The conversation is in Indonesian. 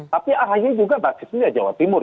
tapi ahy juga basisnya jawa timur